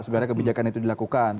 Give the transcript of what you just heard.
sebenarnya kebijakan itu dilakukan